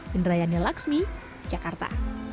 pindrayanya laksmi jakarta